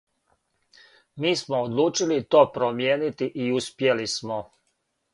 Ми смо одлучили то промијенити и успјели смо.